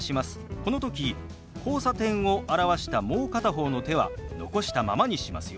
この時「交差点」を表したもう片方の手は残したままにしますよ。